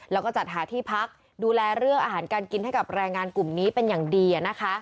แล้วก็จัดหาที่พักดูแลเรื่องอาหารการกินให้กับแรงงานกลุ่มนี้เป็นอย่างดีนะคะ